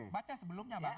baca sebelumnya bang